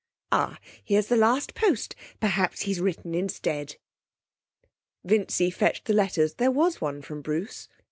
'Ah, here's the last post. Perhaps he's written instead.' Vincy fetched the letters. There was one from Bruce.